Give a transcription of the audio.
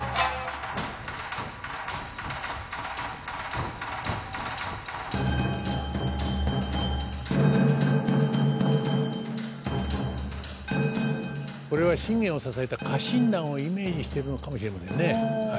これは信玄を支えた家臣団をイメージしてるのかもしれませんね。